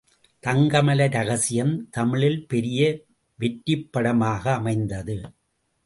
தங்கமலை ரகசியம் தமிழில் பெரிய வெற்றிப்படமாக அமைந்தது.